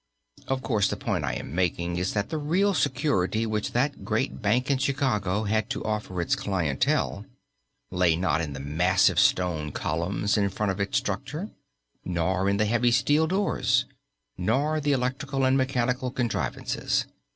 Of course the point I am making is that the real security which that great bank in Chicago had to offer its clientele lay not in the massive stone columns in front of its structure; nor in the heavy steel doors; nor the electrical and mechanical contrivances.